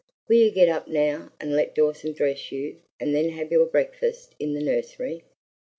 Will you get up now, and let Dawson dress you, and then have your breakfast in the nursery?"